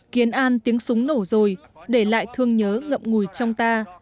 kiến an tiếng súng nổ rồi để lại thương nhớ ngậm ngùi trong ta